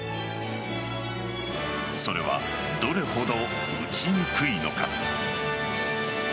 それはどれほど打ちにくいのか。